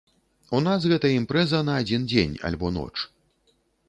У нас гэта імпрэза на адзін дзень альбо ноч.